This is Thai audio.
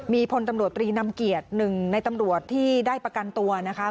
มีพลตำรวจตรีนำเกียรติหนึ่งในตำรวจที่ได้ประกันตัวนะคะ